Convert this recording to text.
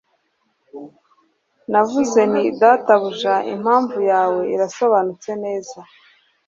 Navuze nti Databuja impamvu yawe irasobanutse neza